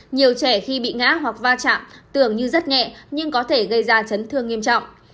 nhiều trẻ khi bị ngã hoặc va chạm tưởng như rất nhẹ nhưng có thể gây ra chấn thương nghiêm trọng